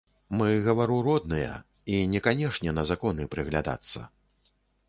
Мы, гавару, родныя, і не канешне на законы прыглядацца.